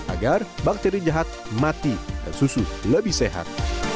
agar bakteri jahat mati dan susu lebih sehat